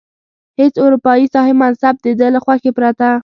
هیڅ اروپايي صاحب منصب د ده له خوښې پرته.